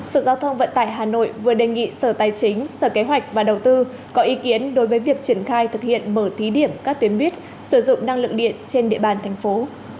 sở giao thông vận tải hà nội vừa đề nghị sở tài chính sở kế hoạch và đầu tư có ý kiến đối với việc triển khai thực hiện mở thí điểm các tuyến buýt sử dụng năng lượng điện trên địa bàn thành phố